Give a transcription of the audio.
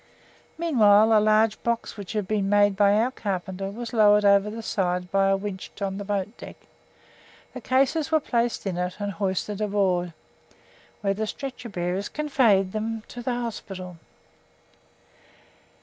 Meanwhile a large box which had been made by our carpenter was lowered over the side by a winch on the boat deck; the cases were placed in it and hoisted aboard, where the stretcher bearers conveyed them to the hospital.